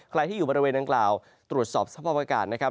ใครที่อยู่บริเวณดังกล่าวตรวจสอบสภาพอากาศนะครับ